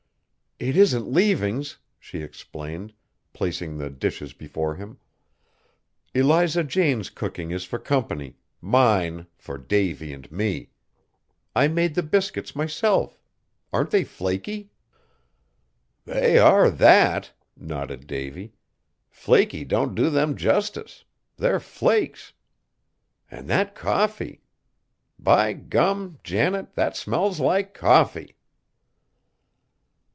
"It isn't leavings," she explained, placing the dishes before him; "Eliza Jane's cooking is for company, mine for Davy and me! I made the biscuits myself. Aren't they flaky?" "They are that!" nodded Davy; "flaky don't do them justice; they're flakes. An' that coffee! By gum! Janet, that smells like coffee!"